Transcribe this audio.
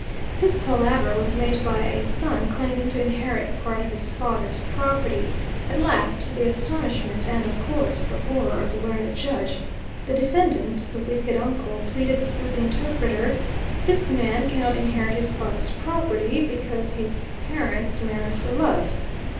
This palaver was made by a son claiming to inherit part of his father's property; at last, to the astonishment, and, of course, the horror, of the learned judge, the defendant, the wicked uncle, pleaded through the interpreter, "This man cannot inherit his father's property, because his parents married for love."